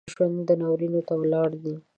ژوندي ناورینونو ته ولاړ دي